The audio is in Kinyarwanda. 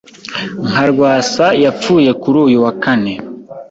nka Rwasa yapfuye kuri uyu wa kane